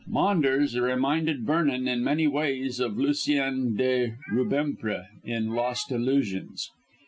Maunders reminded Vernon in many ways of Lucien de Rubempré in "Lost Illusions."